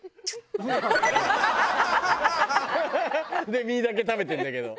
で身だけ食べてるんだけど。